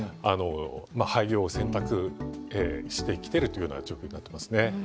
まあ廃業を選択してきてるというような状況になってますね。